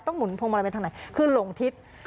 หมุนพวงมาลัยไปทางไหนคือหลงทิศ